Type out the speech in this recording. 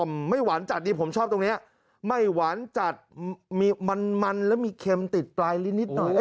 ผมไม่หวานจัดดีผมชอบตรงเนี้ยไม่หวานจัดมีมันมันแล้วมีเค็มติดปลายลิ้นนิดหน่อย